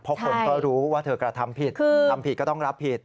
เพราะคนก็รู้ว่าเธอกระทำผิดทำผิดก็ต้องรับผิด